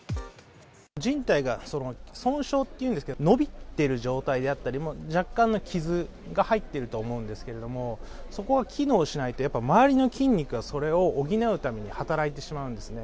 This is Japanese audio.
じん帯が損傷っていうんですけど、伸びている状態であったり、若干の傷が入っていると思うんですけれども、そこが機能しないと、やっぱ周りの筋肉がそれを補うために働いてしまうんですね。